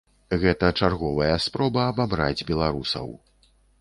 Гэта чарговая спроба абабраць беларусаў.